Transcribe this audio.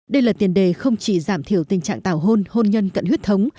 đây là tiền đề không chỉ giảm thiểu tình trạng tảo hôn hôn nhân cận huyết thống